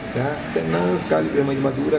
saya senang sekali bermain madura